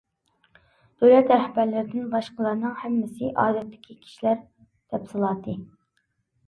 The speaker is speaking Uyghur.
دۆلەت رەھبەرلىرىدىن باشقىلارنىڭ ھەممىسى ئادەتتىكى كىشىلەر. تەپسىلاتى.